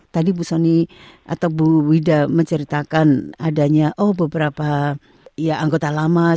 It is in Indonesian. tadi bu sony atau bu wida menceritakan adanya oh beberapa anggota lama